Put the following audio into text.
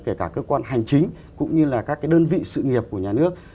kể cả cơ quan hành chính cũng như là các cái đơn vị sự nghiệp của nhà nước